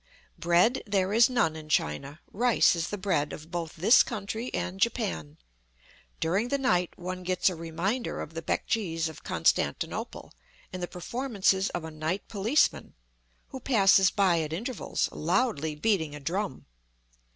Bread, there is none in China; rice is the bread of both this country and Japan. During the night one gets a reminder of the bek jees of Constantinople in the performances of a night policeman, who passes by at intervals loudly beating a drum.